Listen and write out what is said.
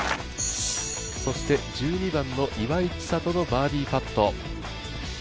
そして１２番の岩井千怜のバーディーパット。